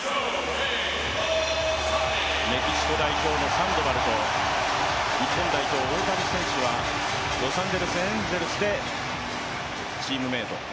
メキシコ代表のサンドバルと、日本代表、大谷選手はロサンゼルス・エンゼルスでチームメイト。